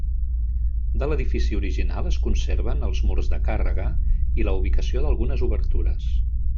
De l'edifici original es conserven els murs de càrrega i la ubicació d'algunes obertures.